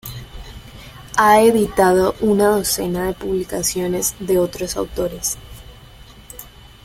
Ha editado una docena de publicaciones de otros autores.